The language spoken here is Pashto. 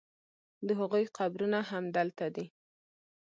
د هغوی قبرونه همدلته دي.